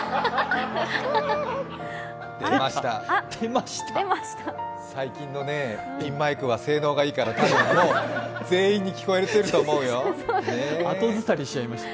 出ました、最近のピンマイクは性能がいいから多分もう全員に聞こえてると思うよ。